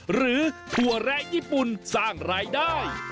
ถั่วแร้ญี่ปุ่นสร้างรายได้